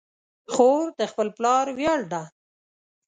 خور د خپل پلار ویاړ ده.